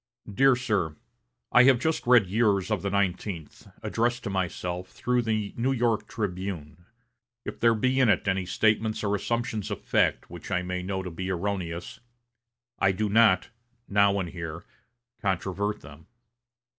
"DEAR SIR: I have just read yours of the nineteenth, addressed to myself through the New York 'Tribune.' If there be in it any statements or assumptions of fact which I may know to be erroneous, I do not, now and here, controvert them.